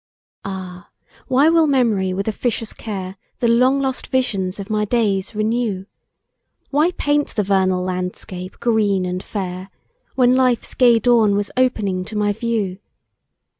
G. AH! why will Mem'ry with officious care The long lost visions of my days renew? Why paint the vernal landscape green and fair, When life's gay dawn was opening to my view?